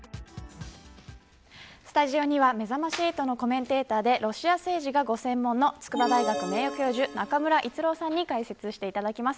スタジオにはめざまし８のコメンテーターでロシア政治がご専門の筑波大学名誉教授中村逸郎さんに解説していただきます。